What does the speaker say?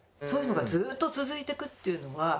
そういうのがずっと続いていくっていうのは。